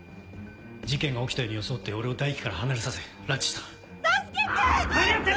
事件が起きたように装って俺を大樹から離れさせ拉致した。